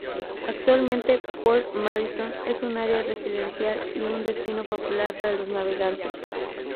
Actualmente, Port Madison es un área residencial y un destino popular para los navegantes.